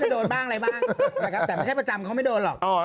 แต่ไม่ใช่ประจำเขาไม่โดนน่ะ